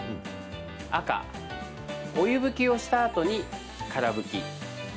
赤・お湯拭きをしたあとにから拭き。